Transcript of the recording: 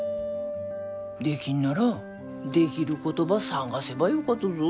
できんならできることば探せばよかとぞ。